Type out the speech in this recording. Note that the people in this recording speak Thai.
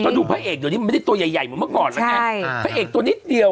แล้วดูพระเอกเดี๋ยวนี้มันไม่ได้ตัวใหญ่ใหญ่เหมือนเมื่อก่อนแล้วไงพระเอกตัวนิดเดียว